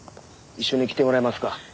一緒に来てもらえますか？